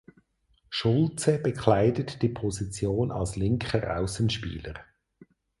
Schulze bekleidet die Position als linker Außenspieler.